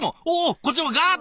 こっちもガーッと。